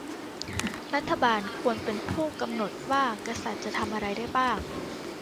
รัฐบาลควรเป็นผู้กำหนดว่ากษัตริย์จะทำอะไรได้บ้าง